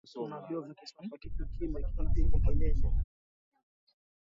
tuna vyoo vya kisasa kitu kime kimepiga kelele